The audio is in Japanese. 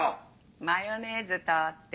マヨネーズ取って。